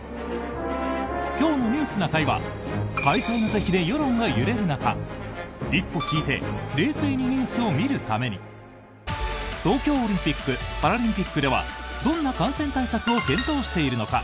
今日の「ニュースな会」は開催の是非で世論が揺れる中一歩引いて冷静にニュースを見るために東京オリンピック・パラリンピックではどんな感染対策を検討しているのか？